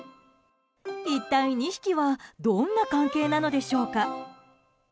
一体、２匹はどんな関係なのでしょうか。